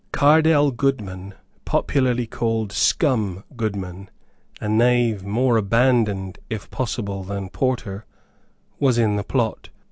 Cardell Goodman, popularly called Scum Goodman, a knave more abandoned, if possible, than Porter, was in the plot.